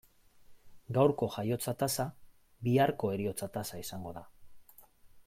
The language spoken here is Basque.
Gaurko jaiotza tasa biharko heriotza tasa izango da.